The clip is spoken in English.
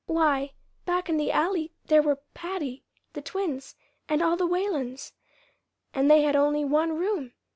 Why, back in the Alley there were Patty, the twins, and all the Whalens and they had only one room!